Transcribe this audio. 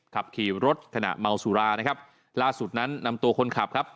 ขับขี่รถขณะเมาสุรานะครับล่าสุดนั้นนำตัวคนขับครับ